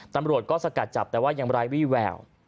ตำรวจก็สกัดจับแต่ว่ายังไร้วี่แวว